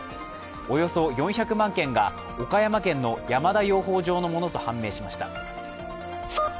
およそ４００万件が岡山県の山田養蜂場のものと判明しました。